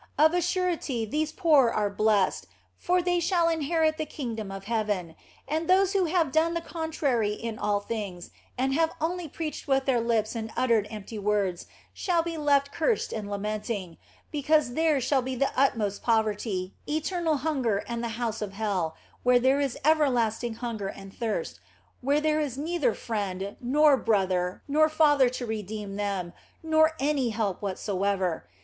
Of a surety these poor are blessed, for they shall inherit the kingdom of heaven. And those who have done the contrary in all things, and have only preached with their lips and uttered empty words, shall be left cursed and lamenting ; because theirs shall be the utmost poverty, eternal hunger and the house of hell, where there is everlasting hunger and thirst, where there is neither friend, nor brother, nor father to redeem them, nor any help whatsoever.